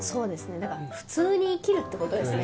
普通に生きるってことですね。